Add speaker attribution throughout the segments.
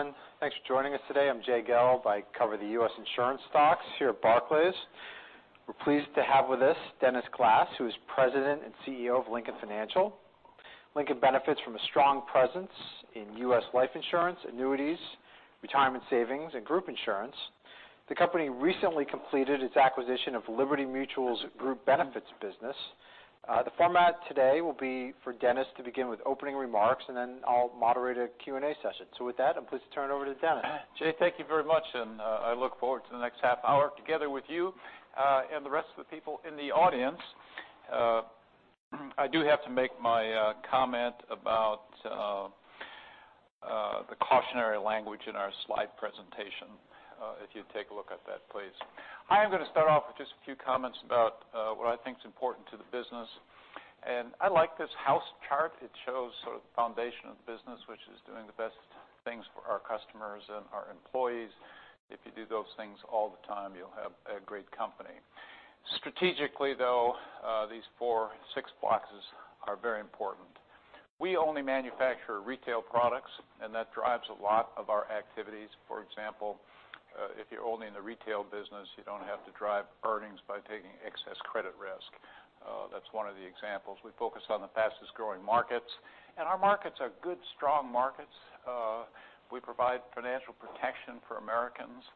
Speaker 1: Everyone, thanks for joining us today. I'm Jay Gelb. I cover the U.S. insurance stocks here at Barclays. We're pleased to have with us Dennis Glass, who is President and CEO of Lincoln Financial. Lincoln benefits from a strong presence in U.S. life insurance, annuities, retirement savings, and group insurance. The company recently completed its acquisition of Liberty Mutual's group benefits business. The format today will be for Dennis to begin with opening remarks, then I'll moderate a Q&A session. With that, I'm pleased to turn it over to Dennis.
Speaker 2: Jay, thank you very much. I look forward to the next half hour together with you and the rest of the people in the audience. I do have to make my comment about the cautionary language in our slide presentation, if you'd take a look at that, please. I am going to start off with just a few comments about what I think is important to the business. I like this house chart. It shows sort of the foundation of the business, which is doing the best things for our customers and our employees. If you do those things all the time, you'll have a great company. Strategically, though, these four, six boxes are very important. We only manufacture retail products, that drives a lot of our activities. For example, if you're only in the retail business, you don't have to drive earnings by taking excess credit risk. That's one of the examples. We focus on the fastest-growing markets, our markets are good, strong markets. We provide financial protection for Americans,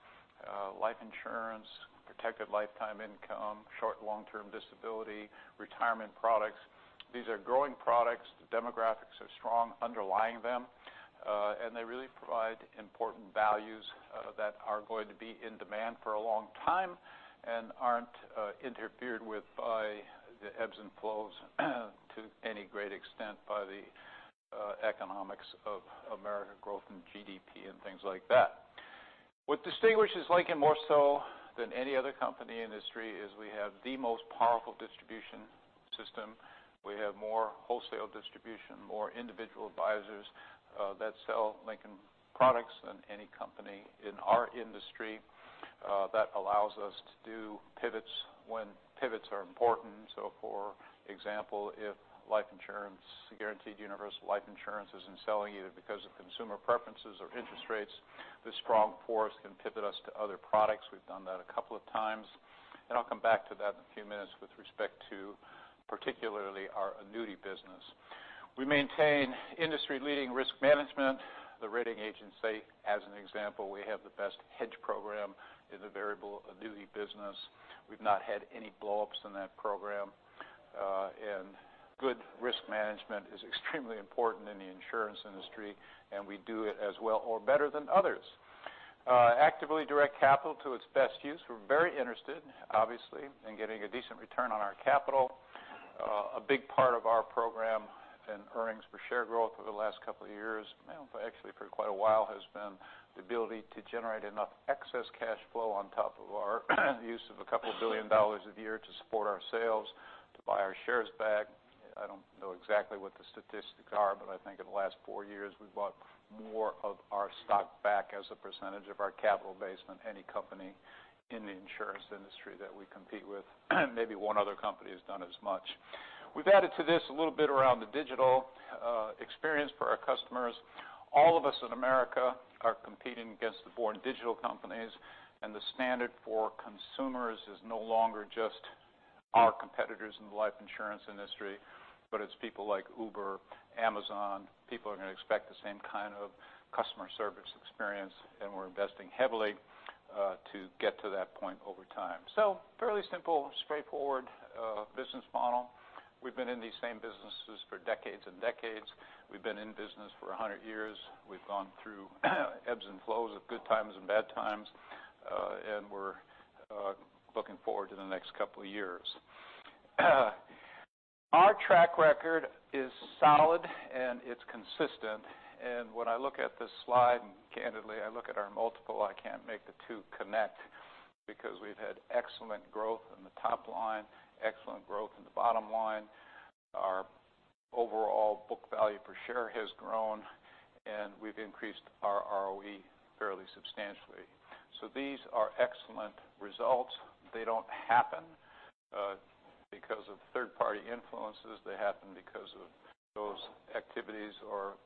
Speaker 2: life insurance, protected lifetime income, short and long-term disability, retirement products. These are growing products. The demographics are strong underlying them. They really provide important values that are going to be in demand for a long time and aren't interfered with by the ebbs and flows to any great extent by the economics of American growth and GDP and things like that. What distinguishes Lincoln more so than any other company in this industry is we have the most powerful distribution system. We have more wholesale distribution, more individual advisors that sell Lincoln products than any company in our industry. That allows us to do pivots when pivots are important. For example, if Guaranteed Universal Life Insurance isn't selling either because of consumer preferences or interest rates, this strong force can pivot us to other products. We've done that a couple of times. I'll come back to that in a few minutes with respect to particularly our annuity business. We maintain industry-leading risk management. The rating agents say, as an example, we have the best hedge program in the Variable Annuity business. We've not had any blowups in that program. Good risk management is extremely important in the insurance industry, we do it as well or better than others. Actively direct capital to its best use. We're very interested, obviously, in getting a decent return on our capital. A big part of our program and earnings per share growth over the last couple of years, actually for quite a while, has been the ability to generate enough excess cash flow on top of our use of about $2 billion a year to support our sales, to buy our shares back. I don't know exactly what the statistics are, but I think in the last four years, we've bought more of our stock back as a percentage of our capital base than any company in the insurance industry that we compete with. Maybe one other company has done as much. We've added to this a little bit around the digital experience for our customers. All of us in America are competing against the born digital companies, and the standard for consumers is no longer just our competitors in the life insurance industry, but it's people like Uber, Amazon. People are going to expect the same kind of customer service experience, and we're investing heavily to get to that point over time. Fairly simple, straightforward business model. We've been in these same businesses for decades and decades. We've been in business for 100 years. We've gone through ebbs and flows of good times and bad times. We're looking forward to the next couple of years. Our track record is solid, and it's consistent. When I look at this slide, and candidly, I look at our multiple, I can't make the two connect because we've had excellent growth in the top line, excellent growth in the bottom line. Our overall book value per share has grown, and we've increased our ROE fairly substantially. These are excellent results. They don't happen because of third-party influences. They happen because of those activities or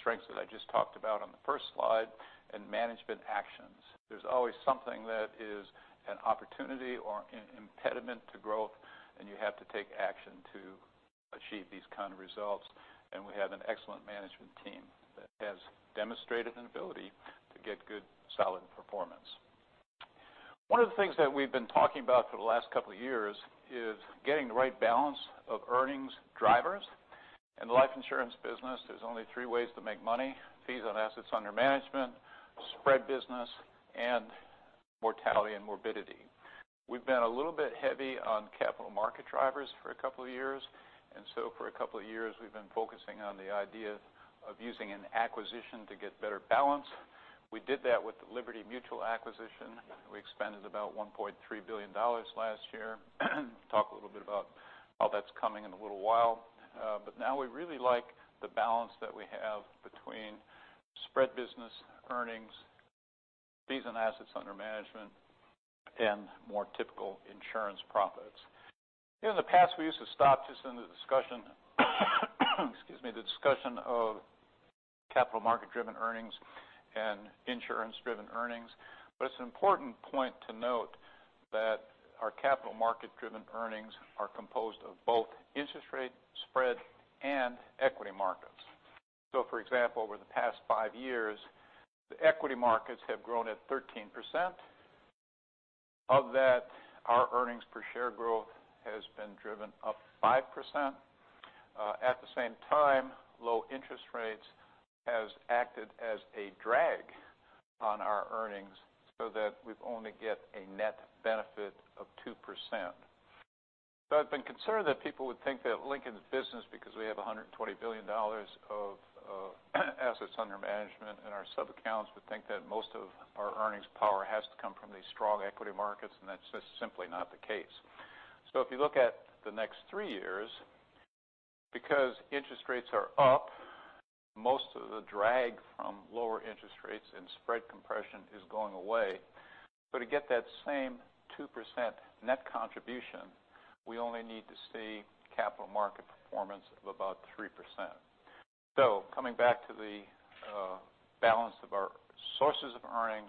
Speaker 2: strengths that I just talked about on the first slide and management actions. There's always something that is an opportunity or an impediment to growth, and you have to take action to achieve these kind of results. We have an excellent management team that has demonstrated an ability to get good, solid performance. One of the things that we've been talking about for the last couple of years is getting the right balance of earnings drivers. In the life insurance business, there's only three ways to make money, fees on assets under management, spread business, and mortality and morbidity. We've been a little bit heavy on capital market drivers for a couple of years, for a couple of years, we've been focusing on the idea of using an acquisition to get better balance. We did that with the Liberty Mutual acquisition. We expended about $1.3 billion last year. Talk a little bit about how that's coming in a little while. Now we really like the balance that we have between spread business earnings Fees and assets under management and more typical insurance profits. In the past, we used to stop just in the discussion of capital market driven earnings and insurance driven earnings. It's an important point to note that our capital market driven earnings are composed of both interest rate spread and equity markets. For example, over the past five years, the equity markets have grown at 13%. Of that, our earnings per share growth has been driven up 5%. At the same time, low interest rates has acted as a drag on our earnings so that we've only get a net benefit of 2%. I've been concerned that people would think that Lincoln's business, because we have $120 billion of assets under management in our sub-accounts, would think that most of our earnings power has to come from these strong equity markets, and that's just simply not the case. If you look at the next three years, because interest rates are up, most of the drag from lower interest rates and spread compression is going away. To get that same 2% net contribution, we only need to see capital market performance of about 3%. Coming back to the balance of our sources of earnings,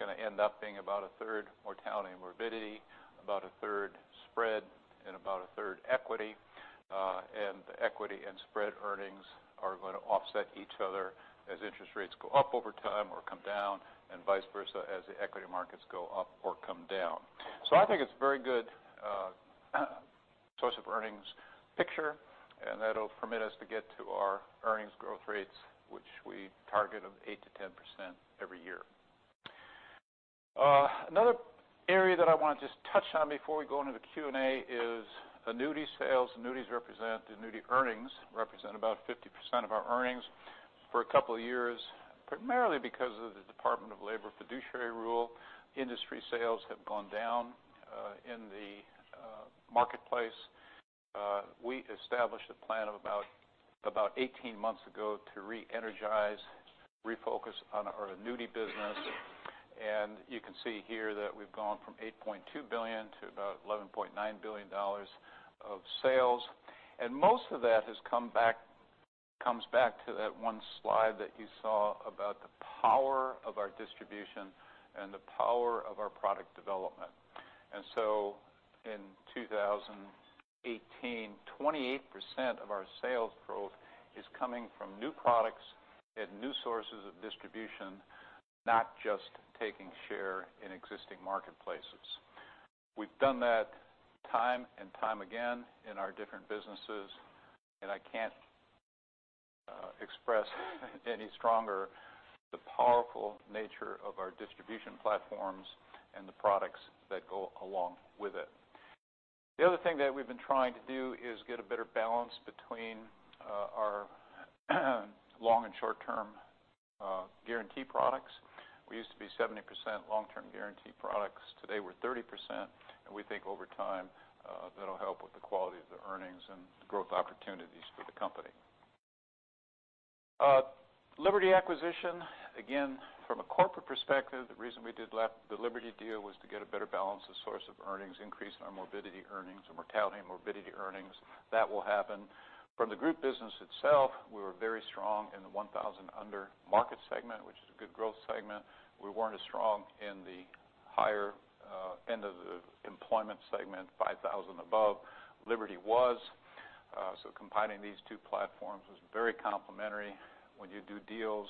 Speaker 2: going to end up being about a third mortality and morbidity, about a third spread, and about a third equity. The equity and spread earnings are going to offset each other as interest rates go up over time or come down and vice versa as the equity markets go up or come down. I think it's a very good source of earnings picture, and that'll permit us to get to our earnings growth rates, which we target of 8%-10% every year. Another area that I want to just touch on before we go into the Q&A is annuity sales. Annuity earnings represent about 50% of our earnings for a couple of years, primarily because of the Department of Labor fiduciary rule. Industry sales have gone down, in the marketplace. We established a plan of about 18 months ago to re-energize, refocus on our annuity business. You can see here that we've gone from $8.2 billion to about $11.9 billion of sales. Most of that comes back to that one slide that you saw about the power of our distribution and the power of our product development. In 2018, 28% of our sales growth is coming from new products and new sources of distribution, not just taking share in existing marketplaces. We've done that time and time again in our different businesses, and I can't express any stronger the powerful nature of our distribution platforms and the products that go along with it. The other thing that we've been trying to do is get a better balance between our long and short term guarantee products. We used to be 70% long term guarantee products. Today, we're 30%, and we think over time, that'll help with the quality of the earnings and the growth opportunities for the company. Liberty acquisition, again, from a corporate perspective, the reason we did the Liberty deal was to get a better balance of source of earnings, increase our morbidity earnings and mortality and morbidity earnings. That will happen. From the group business itself, we were very strong in the 1,000 under market segment, which is a good growth segment. We weren't as strong in the higher end of the employment segment, 5,000 above. Liberty was. Combining these two platforms was very complementary. When you do deals,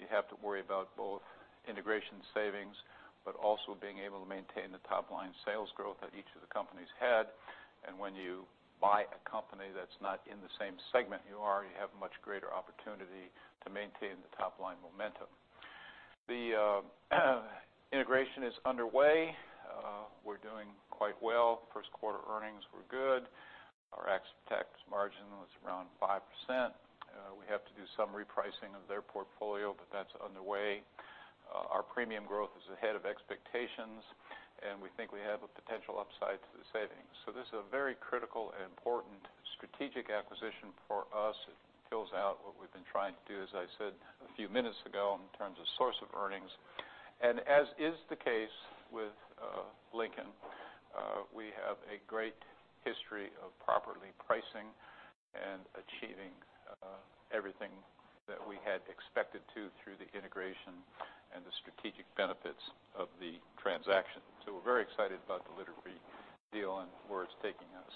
Speaker 2: you have to worry about both integration savings, but also being able to maintain the top line sales growth that each of the companies had. When you buy a company that's not in the same segment you are, you have much greater opportunity to maintain the top line momentum. The integration is underway. We're doing quite well. First quarter earnings were good. Our after-tax margin was around 5%. We have to do some repricing of their portfolio, that's underway. Our premium growth is ahead of expectations, we think we have a potential upside to the savings. This is a very critical and important strategic acquisition for us. It fills out what we've been trying to do, as I said a few minutes ago, in terms of source of earnings. As is the case with Lincoln, we have a great history of properly pricing and achieving everything that we had expected to through the integration and the strategic benefits of the transaction. We're very excited about the Liberty deal and where it's taking us.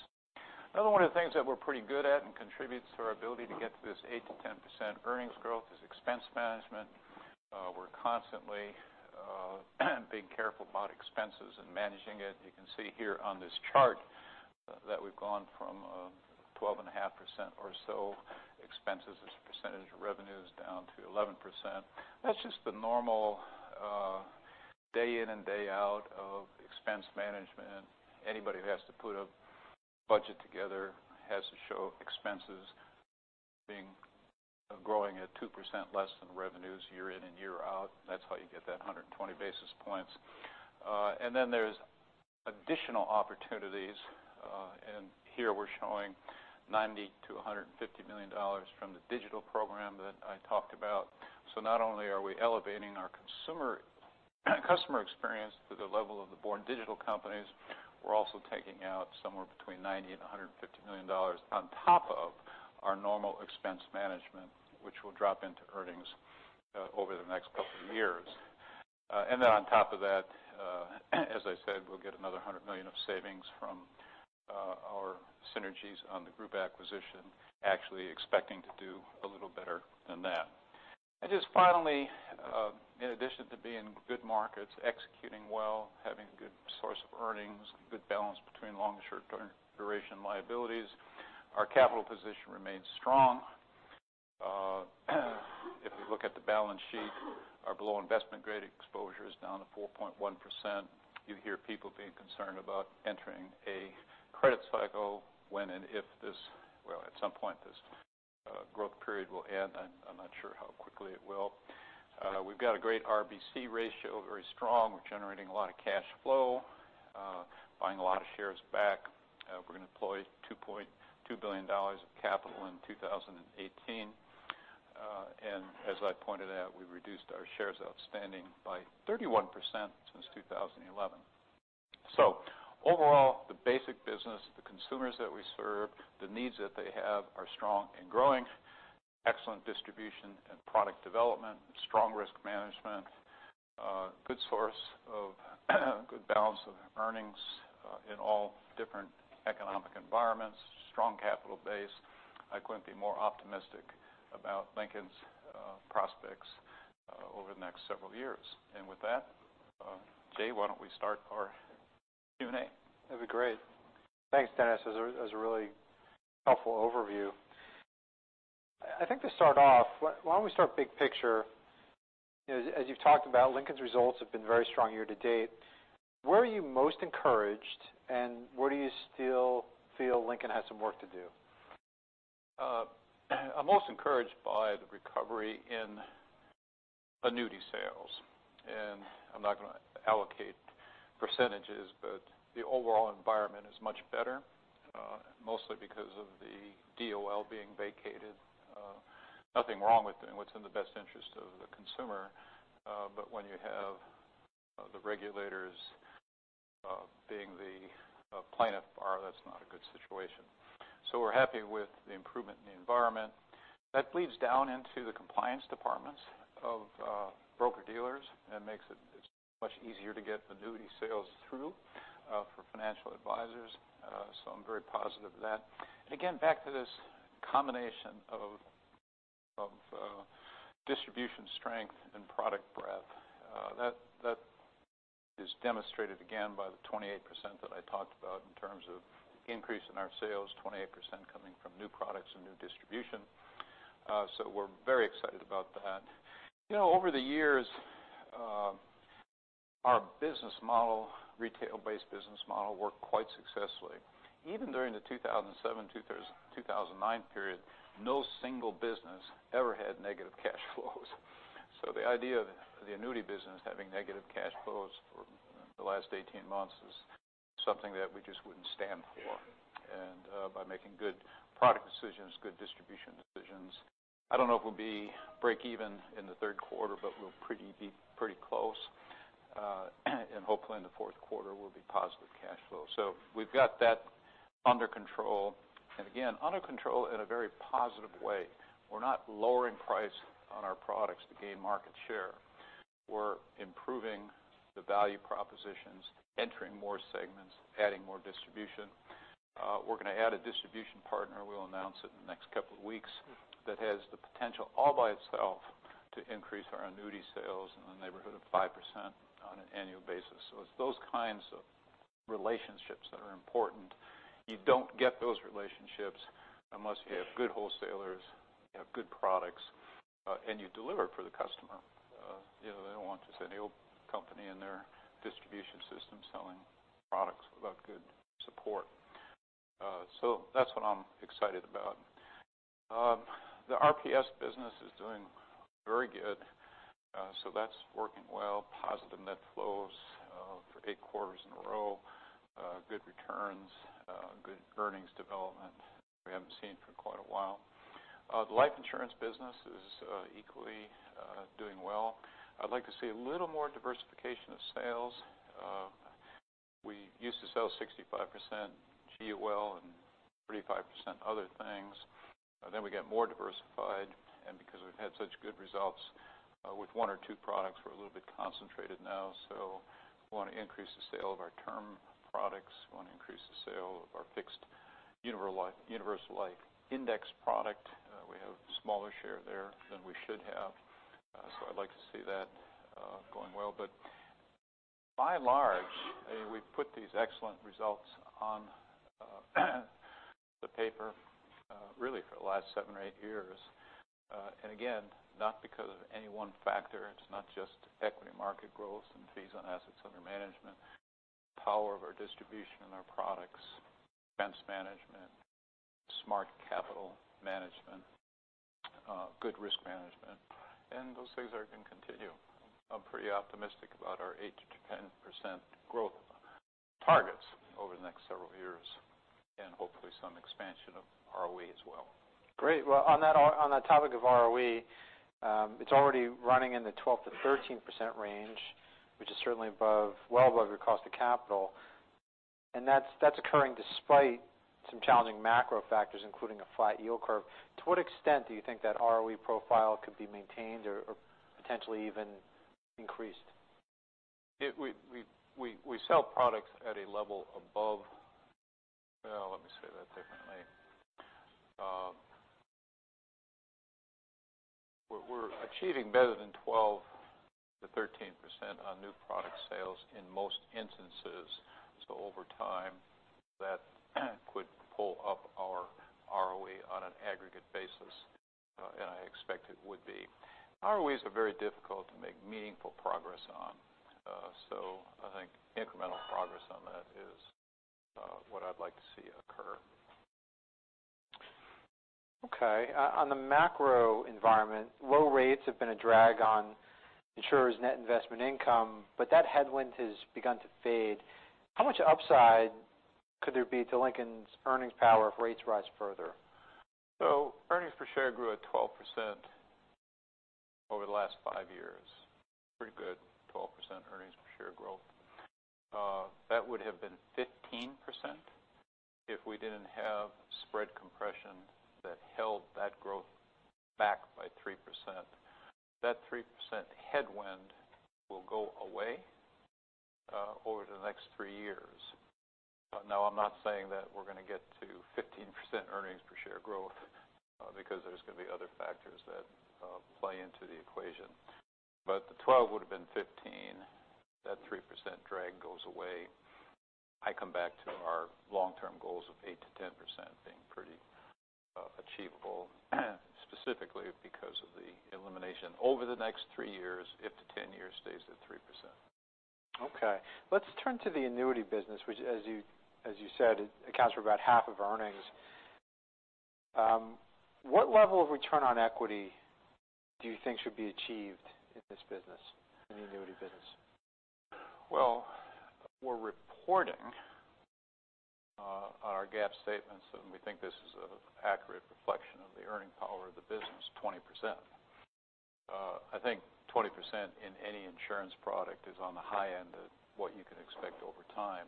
Speaker 2: Another one of the things that we're pretty good at and contributes to our ability to get to this 8%-10% earnings growth is expense management. We're constantly being careful about expenses and managing it. You can see here on this chart that we've gone from 12.5% or so expenses as a percentage of revenues down to 11%. That's just the normal day in and day out of expense management. Anybody who has to put a budget together has to show expenses growing at 2% less than revenues year in and year out. That's how you get that 120 basis points. There's additional opportunities, and here we're showing $90 million-$150 million from the digital program that I talked about. Not only are we elevating our customer experience to the level of the born digital companies, we're also taking out somewhere between $90 million and $150 million on top of our normal expense management, which will drop into earnings over the next couple of years. On top of that, as I said, we'll get another $100 million of savings from our synergies on the group acquisition, actually expecting to do a little better than that. Just finally, in addition to being good markets, executing well, having a good source of earnings, good balance between long- and short-duration liabilities, our capital position remains strong. If we look at the balance sheet, our below investment grade exposure is down to 4.1%. You hear people being concerned about entering a credit cycle, well, at some point, this growth period will end. I'm not sure how quickly it will. We've got a great RBC ratio, very strong. We're generating a lot of cash flow, buying a lot of shares back. We're going to deploy $2.2 billion of capital in 2018. As I pointed out, we reduced our shares outstanding by 31% since 2011. Overall, the basic business, the consumers that we serve, the needs that they have are strong and growing. Excellent distribution and product development, strong risk management, good balance of earnings in all different economic environments, strong capital base. I couldn't be more optimistic about Lincoln's prospects over the next several years. With that, Jay, why don't we start our Q&A?
Speaker 1: That'd be great. Thanks, Dennis. That was a really helpful overview. I think to start off, why don't we start big picture. As you've talked about, Lincoln's results have been very strong year to date. Where are you most encouraged, and where do you still feel Lincoln has some work to do?
Speaker 2: I'm most encouraged by the recovery in annuity sales, and I'm not going to allocate percentages, but the overall environment is much better. Mostly because of the DOL being vacated. Nothing wrong with doing what's in the best interest of the consumer. When you have the regulators being the plaintiff bar, that's not a good situation. We're happy with the improvement in the environment. That bleeds down into the compliance departments of broker-dealers and makes it much easier to get annuity sales through for financial advisors. I'm very positive of that. Again, back to this combination of distribution strength and product breadth. That is demonstrated again by the 28% that I talked about in terms of increase in our sales, 28% coming from new products and new distribution. We're very excited about that. Over the years, our retail-based business model worked quite successfully. Even during the 2007-2009 period, no single business ever had negative cash flows. The idea of the annuity business having negative cash flows for the last 18 months is something that we just wouldn't stand for. By making good product decisions, good distribution decisions, I don't know if we'll be break even in the third quarter, but we'll be pretty close. Hopefully in the fourth quarter, we'll be positive cash flow. We've got that under control. Again, under control in a very positive way. We're not lowering price on our products to gain market share. We're improving the value propositions, entering more segments, adding more distribution. We're going to add a distribution partner. We'll announce it in the next couple of weeks. That has the potential all by itself to increase our annuity sales in the neighborhood of 5% on an annual basis. It's those kinds of relationships that are important. You don't get those relationships unless you have good wholesalers, you have good products, and you deliver for the customer. They don't want just any old company in their distribution system selling products without good support. That's what I'm excited about. The RPS business is doing very good. That's working well. Positive net flows for eight quarters in a row. Good returns. Good earnings development we haven't seen for quite a while. The life insurance business is equally doing well. I'd like to see a little more diversification of sales. We used to sell 65% GUL and 35% other things. We got more diversified, because we've had such good results with one or two products, we're a little bit concentrated now. We want to increase the sale of our Term Life Insurance products. We want to increase the sale of our indexed universal life product. We have a smaller share there than we should have. I'd like to see that going well. By and large, we've put these excellent results on the paper really for the last 7 or 8 years. Again, not because of any one factor. It's not just equity market growth and fees on assets under management. The power of our distribution and our products, expense management, smart capital management. Good risk management. Those things are going to continue. I'm pretty optimistic about our 8%-10% growth targets over the next several years, and hopefully some expansion of ROE as well.
Speaker 1: Great. Well, on that topic of ROE, it's already running in the 12%-13% range, which is certainly well above your cost of capital. That's occurring despite some challenging macro factors, including a flat yield curve. To what extent do you think that ROE profile could be maintained or potentially even increased?
Speaker 2: We sell products at a level. Well, let me say that differently. We're achieving better than 12%-13% on new product sales in most instances. Over time, that could pull up our ROE on an aggregate basis. I expect it would be. ROEs are very difficult to make meaningful progress on. I think incremental progress on that is what I'd like to see occur.
Speaker 1: Okay. On the macro environment, low rates have been a drag on insurers' net investment income, that headwind has begun to fade. How much upside could there be to Lincoln's earnings power if rates rise further?
Speaker 2: Earnings per share grew at 12% over the last five years. Pretty good 12% earnings per share growth. That would have been 15% if we didn't have spread compression that held that growth back by 3%. That 3% headwind will go away over the next three years. I'm not saying that we're going to get to 15% earnings per share growth because there's going to be other factors that play into the equation. The 12% would've been 15%. That 3% drag goes away. I come back to our long-term goals of 8%-10% being pretty achievable, specifically because of the elimination over the next three years if the 10-year stays at 3%.
Speaker 1: Let's turn to the annuity business, which as you said, accounts for about half of earnings. What level of return on equity do you think should be achieved in this business, in the annuity business?
Speaker 2: We're reporting on our GAAP statements, and we think this is an accurate reflection of the earning power of the business, 20%. I think 20% in any insurance product is on the high end of what you can expect over time.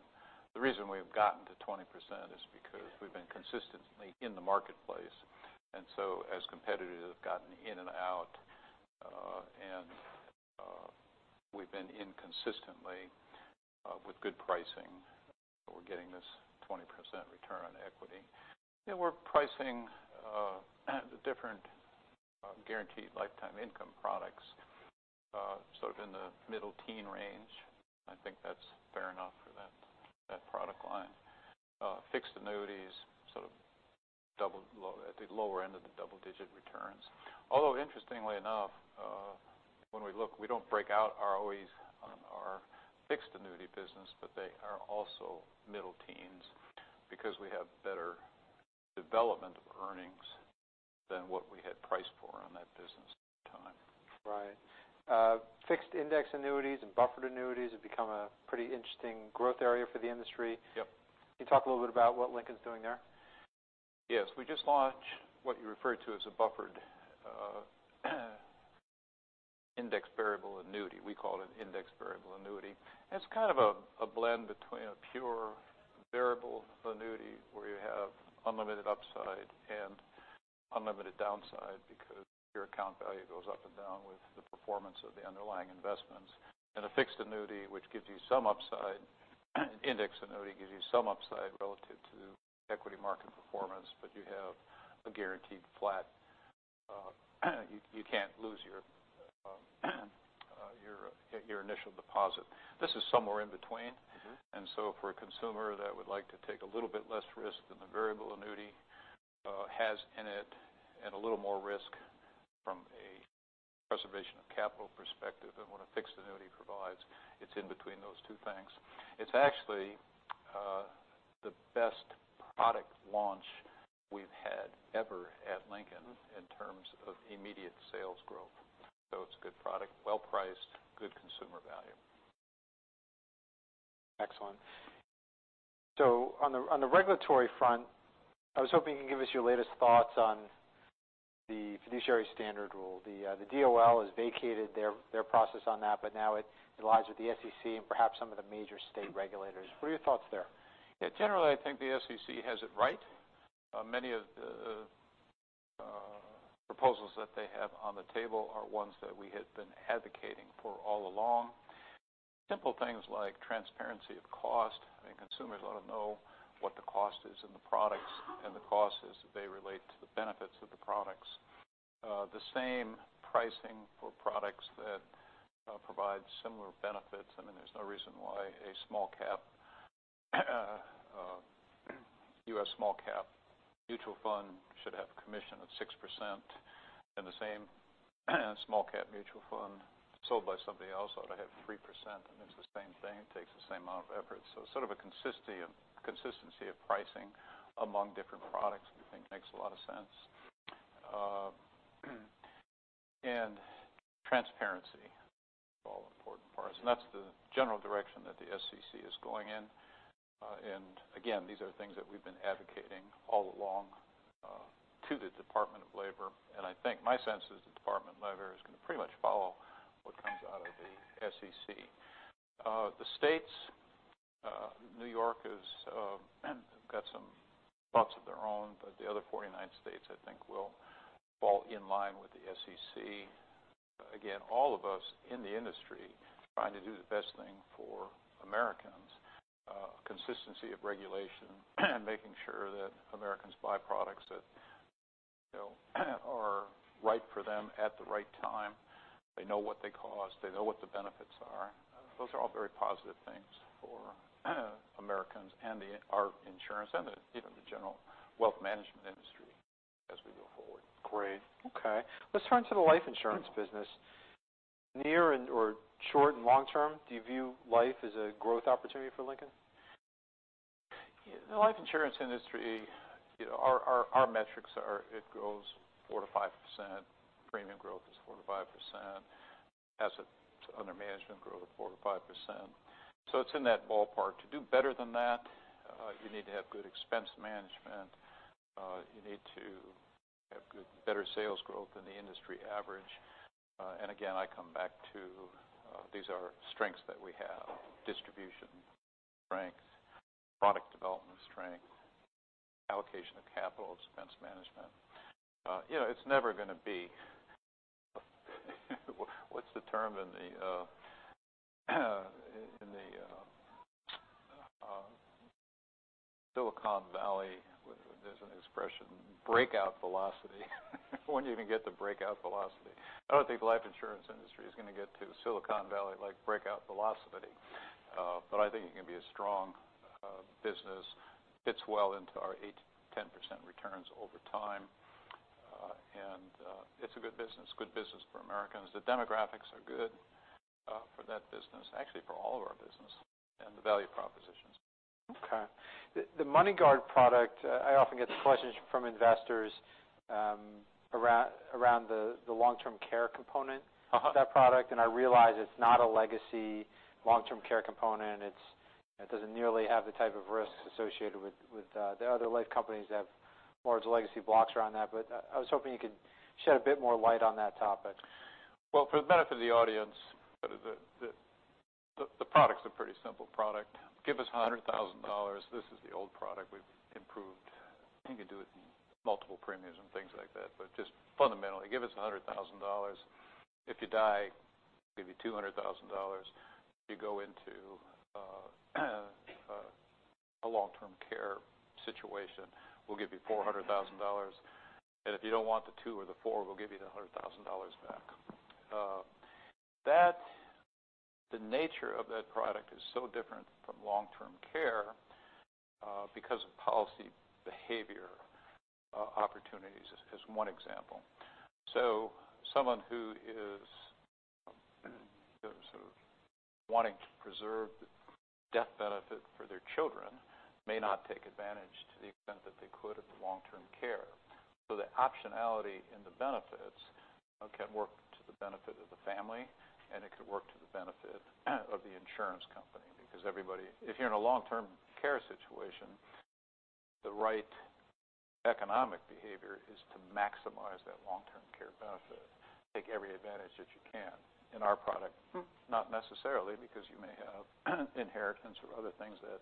Speaker 2: The reason we've gotten to 20% is because we've been consistently in the marketplace. As competitors have gotten in and out, and we've been in consistently with good pricing, we're getting this 20% return on equity. We're pricing the different Guaranteed Lifetime Income products sort of in the middle teen range. I think that's fair enough for that product line. Fixed Annuities, sort of at the lower end of the double-digit returns. Interestingly enough, when we look, we don't break out ROEs on our Fixed Annuity business, they are also middle teens because we have better development of earnings than what we had priced for on that business at the time.
Speaker 1: Right. fixed index annuities and buffered annuities have become a pretty interesting growth area for the industry.
Speaker 2: Yep.
Speaker 1: Can you talk a little bit about what Lincoln's doing there?
Speaker 2: Yes. We just launched what you referred to as a Buffered Index Variable Annuity. We call it an Index Variable Annuity. It's kind of a blend between a pure Variable Annuity where you have unlimited upside and unlimited downside because your account value goes up and down with the performance of the underlying investments. A Fixed Annuity, which gives you some upside. Index Annuity gives you some upside relative to equity market performance, but you have a guaranteed flat. You can't lose your initial deposit. This is somewhere in between. For a consumer that would like to take a little bit less risk than the Variable Annuity has in it and a little more risk from a preservation of capital perspective than what a Fixed Annuity provides, it's in between those two things. It's actually the best product launch we've had ever at Lincoln in terms of immediate sales growth. It's a good product, well-priced, good consumer value.
Speaker 1: Excellent. On the regulatory front, I was hoping you could give us your latest thoughts on the fiduciary rule. The DOL has vacated their process on that, but now it lies with the SEC and perhaps some of the major state regulators. What are your thoughts there?
Speaker 2: Yeah, generally, I think the SEC has it right. Many of the proposals that they have on the table are ones that we had been advocating for all along. Simple things like transparency of cost. I think consumers want to know what the cost is in the products and the costs as they relate to the benefits of the products. The same pricing for products that provide similar benefits. There's no reason why a U.S. small cap mutual fund should have a commission of 6% and the same A small cap mutual fund sold by somebody else ought to have 3%, and it's the same thing. It takes the same amount of effort. Sort of a consistency of pricing among different products we think makes a lot of sense. Transparency is all important for us, and that's the general direction that the SEC is going in. Again, these are things that we've been advocating all along to the Department of Labor. I think my sense is the Department of Labor is going to pretty much follow what comes out of the SEC. The states, New York has got some thoughts of their own, but the other 49 states, I think, will fall in line with the SEC. Again, all of us in the industry trying to do the best thing for Americans. Consistency of regulation, making sure that Americans buy products that are right for them at the right time. They know what they cost. They know what the benefits are. Those are all very positive things for Americans and our insurance and the general wealth management industry as we move forward.
Speaker 1: Great. Okay. Let's turn to the life insurance business. Near or short and long term, do you view life as a growth opportunity for Lincoln?
Speaker 2: The life insurance industry, our metrics are it grows 4%-5%. Premium growth is 4%-5%. Assets under management grow at 4%-5%. It's in that ballpark. To do better than that, you need to have good expense management. You need to have better sales growth than the industry average. Again, I come back to these are strengths that we have. Distribution strength, product development strength, allocation of capital, expense management. It's never going to be what's the term in the Silicon Valley? There's an expression, breakout velocity. When are you going to get to breakout velocity? I don't think the life insurance industry is going to get to Silicon Valley like breakout velocity. I think it can be a strong business. Fits well into our 8%-10% returns over time. And it's a good business. Good business for Americans. The demographics are good for that business, actually, for all of our business, and the value propositions.
Speaker 1: Okay. The MoneyGuard product, I often get questions from investors around the long-term care component- of that product, and I realize it's not a legacy long-term care component. It doesn't nearly have the type of risks associated with the other life companies that have large legacy blocks around that. I was hoping you could shed a bit more light on that topic.
Speaker 2: Well, for the benefit of the audience, the product's a pretty simple product. Give us $100,000. This is the old product we've improved. You can do it in multiple premiums and things like that. Just fundamentally, give us $100,000. If you die, we give you $200,000. If you go into a long-term care situation, we'll give you $400,000. If you don't want the two or the four, we'll give you the $100,000 back. The nature of that product is so different from long-term care because of policy behavior opportunities, as one example. Someone who is sort of wanting to preserve the death benefit for their children may not take advantage to the extent that they could of the long-term care. The optionality in the benefits can work to the benefit of the family, and it could work to the benefit of the insurance company. Because if you're in a long-term care situation, the right economic behavior is to maximize that long-term care benefit, take every advantage that you can. In our product, not necessarily because you may have inheritance or other things that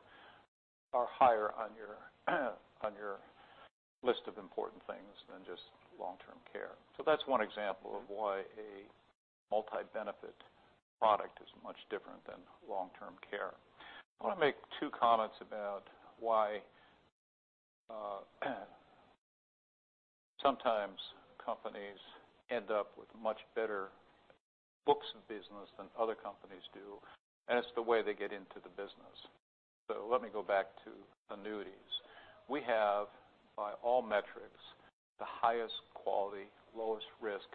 Speaker 2: are higher on your list of important things than just long-term care. That's one example of why a multi-benefit product is much different than long-term care. I want to make two comments about why sometimes companies end up with much better books of business than other companies do, and it's the way they get into the business. Let me go back to annuities. We have, by all metrics, the highest quality, lowest risk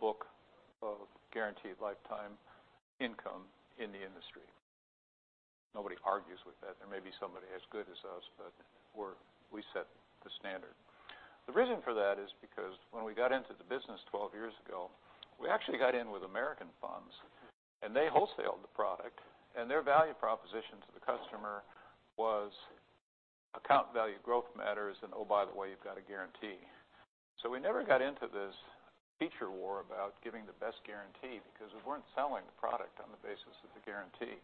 Speaker 2: book of Guaranteed Lifetime Income in the industry. Nobody argues with that. There may be somebody as good as us, but we set the standard. The reason for that is because when we got into the business 12 years ago, we actually got in with American Funds, and they wholesaled the product, and their value proposition to the customer was account value growth matters, and oh, by the way, you've got a guarantee. We never got into this feature war about giving the best guarantee because we weren't selling the product on the basis of the guarantee.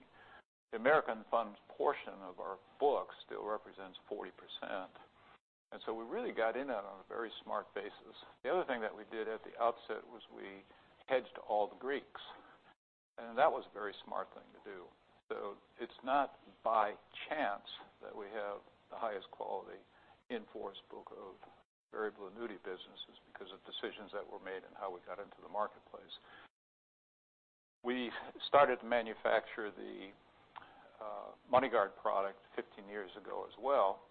Speaker 2: The American Funds portion of our book still represents 40%, we really got in on a very smart basis. The other thing that we did at the outset was we hedged all the Greeks, and that was a very smart thing to do. It's not by chance that we have the highest quality in force book of Variable Annuity businesses because of decisions that were made in how we got into the marketplace. We started to manufacture the MoneyGuard product 15 years ago as well,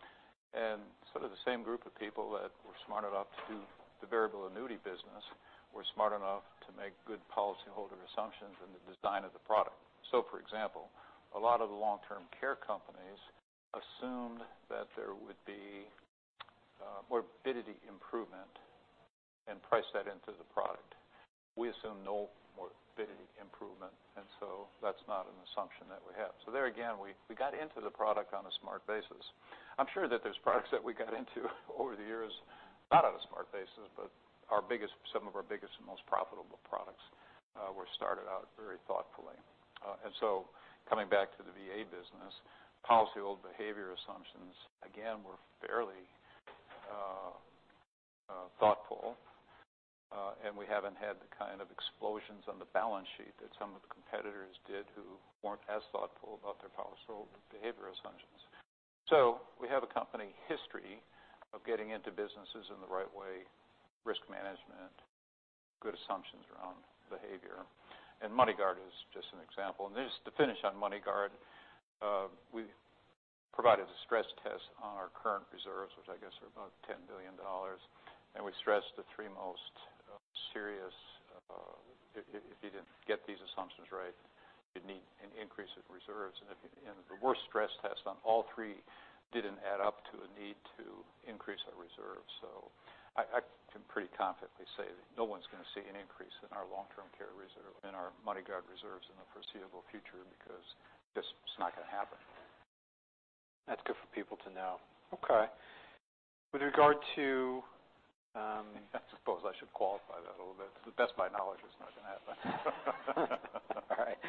Speaker 2: and sort of the same group of people that were smart enough to do the Variable Annuity business were smart enough to make good policyholder assumptions in the design of the product. For example, a lot of the long-term care companies assumed that there would be morbidity improvement and priced that into the product. We assume no morbidity improvement, that's not an assumption that we have. There again, we got into the product on a smart basis. I'm sure that there's products that we got into over the years, not on a smart basis, but some of our biggest and most profitable products were started out very thoughtfully. Coming back to the VA business, policyholder behavior assumptions, again, were fairly thoughtful, and we haven't had the kind of explosions on the balance sheet that some of the competitors did who weren't as thoughtful about their policyholder behavior assumptions. We have a company history of getting into businesses in the right way, risk management, good assumptions around behavior, and MoneyGuard is just an example. Just to finish on MoneyGuard, we provided a stress test on our current reserves, which I guess are about $10 billion, and we stressed the three most serious. If you didn't get these assumptions right, you'd need an increase in reserves. The worst-stress test on all three didn't add up to a need to increase our reserves. I can pretty confidently say that no one's going to see an increase in our long-term care reserve, in our MoneyGuard reserves in the foreseeable future because it's just not going to happen.
Speaker 1: That's good for people to know. Okay.
Speaker 2: I suppose I should qualify that a little bit. To the best of my knowledge, it's not going to happen.
Speaker 1: All right.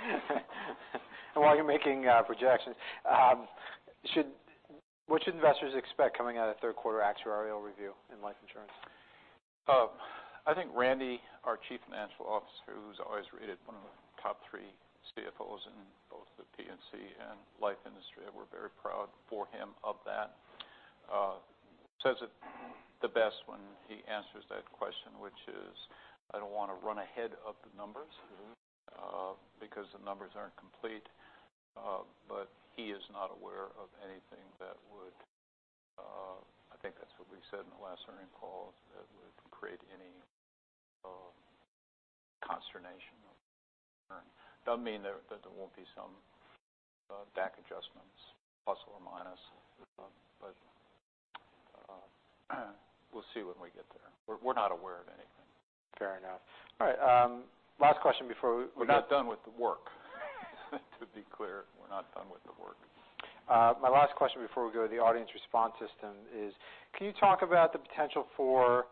Speaker 1: While you're making projections, what should investors expect coming out of third quarter actuarial review in life insurance?
Speaker 2: I think Randy, our Chief Financial Officer, who's always rated one of the top three CFOs in both the P&C and life industry, and we're very proud for him of that, says it the best when he answers that question, which is, I don't want to run ahead of the numbers because the numbers aren't complete. He is not aware of anything that would, I think that's what we said in the last earning call, that would create any consternation. Doesn't mean that there won't be some back adjustments, plus or minus, but we'll see when we get there. We're not aware of anything.
Speaker 1: Fair enough. All right. Last question before we.
Speaker 2: We're not done with the work. To be clear, we're not done with the work.
Speaker 1: My last question before we go to the audience response system is, can you talk about the potential for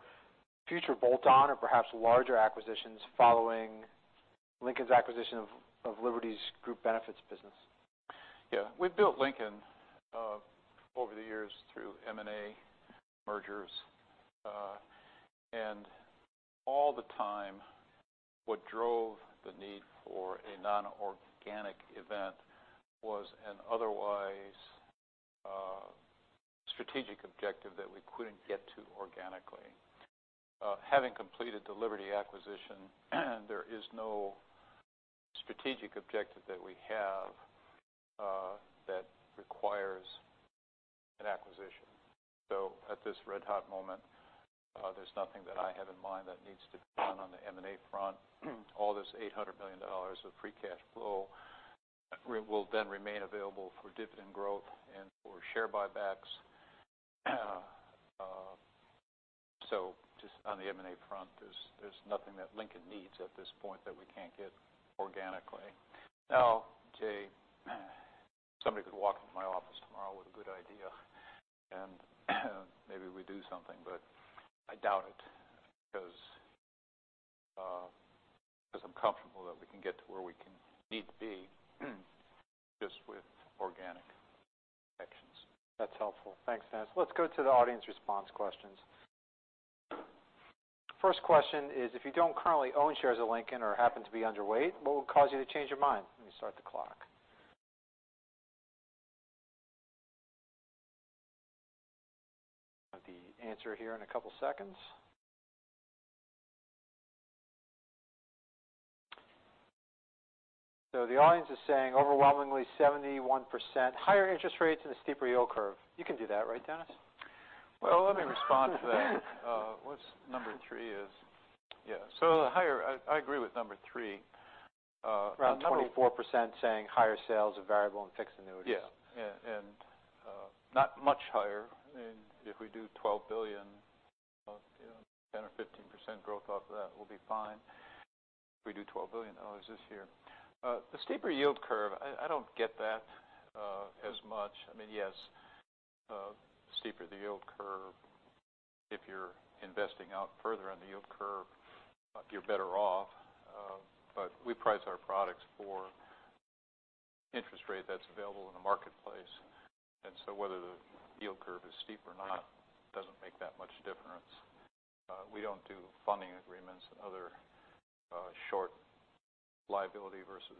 Speaker 1: future bolt-on or perhaps larger acquisitions following Lincoln's acquisition of Liberty's Group Benefits business?
Speaker 2: Yeah. We've built Lincoln over the years through M&A mergers. All the time, what drove the need for a non-organic event was an otherwise strategic objective that we couldn't get to organically. Having completed the Liberty acquisition, there is no strategic objective that we have that requires an acquisition. At this red hot moment, there's nothing that I have in mind that needs to be done on the M&A front. All this $800 million of free cash flow will then remain available for dividend growth and for share buybacks. Just on the M&A front, there's nothing that Lincoln needs at this point that we can't get organically. Jay, somebody could walk into my office tomorrow with a good idea, and maybe we do something, but I doubt it because I'm comfortable that we can get to where we need to be just with organic actions.
Speaker 1: That's helpful. Thanks, Dennis. Let's go to the audience response questions. First question is, if you don't currently own shares of Lincoln or happen to be underweight, what would cause you to change your mind? Let me start the clock. We'll have the answer here in a couple of seconds. The audience is saying overwhelmingly 71%, higher interest rates and a steeper yield curve. You can do that, right, Dennis?
Speaker 2: Well, let me respond to that. What's number three is? Yeah. I agree with number three.
Speaker 1: Around 24% saying higher sales of Variable Annuities and Fixed Annuities.
Speaker 2: Yeah. Not much higher. If we do $12 billion, 10% or 15% growth off of that, we'll be fine. If we do $12 billion this year. The steeper yield curve, I don't get that as much. I mean, yes, the steeper the yield curve, if you're investing out further on the yield curve, you're better off. We price our products for interest rate that's available in the marketplace. Whether the yield curve is steep or not doesn't make that much difference. We don't do funding agreements and other short liabilities versus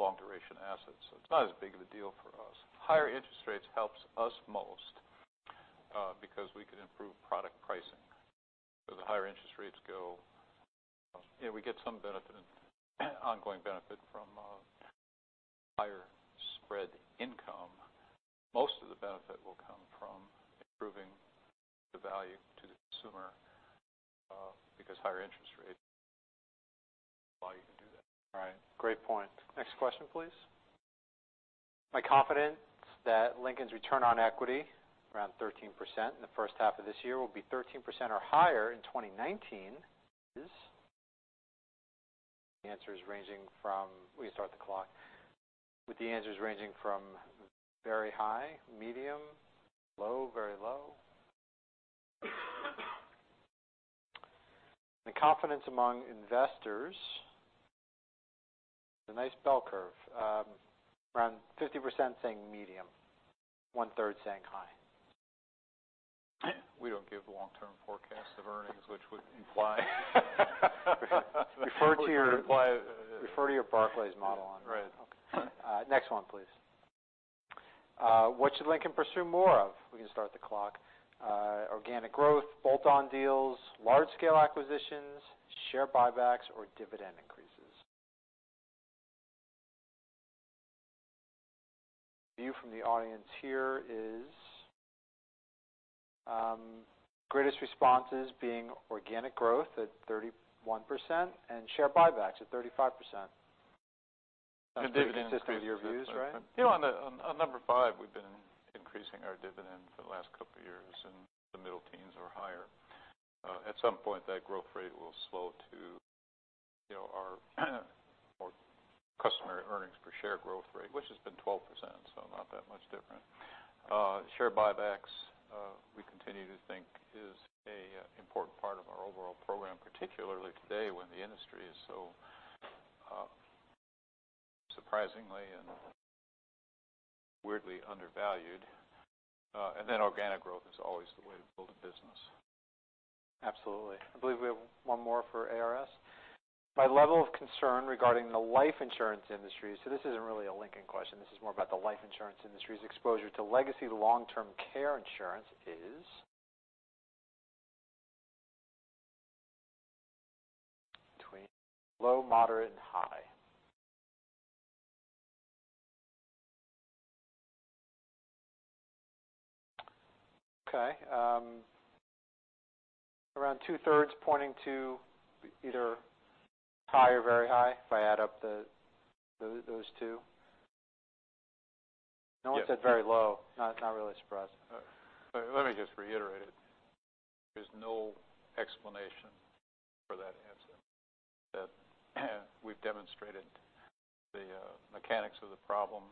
Speaker 2: long duration assets. It's not as big of a deal for us. Higher interest rates helps us most because we could improve product pricing. The higher interest rates go, we get some benefit, ongoing benefit from higher spread income. Most of the benefit will come from improving the value to the consumer because higher interest rates allow you to do that.
Speaker 1: All right. Great point. Next question, please. My confidence that Lincoln's return on equity, around 13% in the first half of this year, will be 13% or higher in 2019 is? Answers ranging from, we can start the clock, very high, medium, low, very low. The confidence among investors, it's a nice bell curve. Around 50% saying medium, one third saying high.
Speaker 2: We don't give long-term forecasts of earnings, which would imply.
Speaker 1: Refer to your Barclays model on that.
Speaker 2: Right. Okay. Next one, please.
Speaker 1: What should Lincoln pursue more of? We can start the clock. Organic growth, bolt-on deals, large-scale acquisitions, share buybacks, or dividend increases. View from the audience here is greatest responses being organic growth at 31% and share buybacks at 35%.
Speaker 2: Dividend increase.
Speaker 1: Consistently your views, right?
Speaker 2: On number five, we've been increasing our dividend for the last couple years in the middle teens or higher. At some point, that growth rate will slow to our more customary earnings per share growth rate, which has been 12%, not that much different. Share buybacks, we continue to think is a important part of our overall program, particularly today when the industry is so surprisingly and weirdly undervalued. Organic growth is always the way to build a business.
Speaker 1: Absolutely. I believe we have one more for ARS. My level of concern regarding the life insurance industry, this isn't really a Lincoln question, this is more about the life insurance industry's exposure to legacy long-term care insurance is between low, moderate, and high.
Speaker 2: Okay. Around two thirds pointing to either high or very high if I add up those two. No one said very low. Not really surprised. Let me just reiterate it. There's no explanation for that answer. That we've demonstrated the mechanics of the problem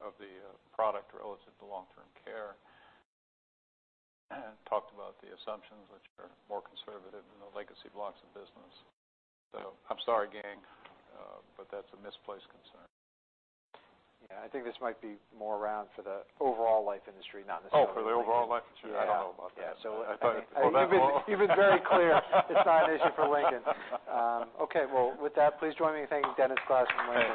Speaker 2: of the product relative to long-term care and talked about the assumptions which are more conservative than the legacy blocks of business. I'm sorry, gang, but that's a misplaced concern.
Speaker 1: Yeah. I think this might be more around for the overall life industry, not necessarily-
Speaker 2: Oh, for the overall life industry?
Speaker 1: Yeah.
Speaker 2: I don't know about that.
Speaker 1: I thought you've been very clear it's not an issue for Lincoln. Okay. With that, please join me in thanking Dennis Glass and Lincoln.